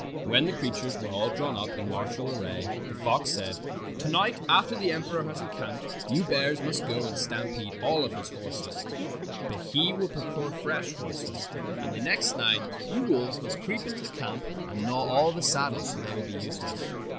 When the creatures were all drawn up in martial array the fox said: "To night, after the emperor has encamped, you bears must go and stampede all his horses. But he will procure fresh horses, and the next night you 102 Fairy Tale Foxes wolves must creep into the camp and gnaw all the saddles so they will be useless.